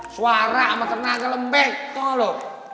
suara sama tenaga lembek